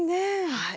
はい。